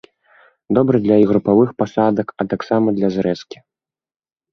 Добры для і групавых пасадак, а таксама для зрэзкі.